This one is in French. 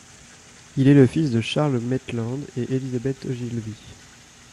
Il est le fils de Charles Maitland et Elizabeth Ogilvie.